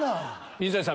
水谷さん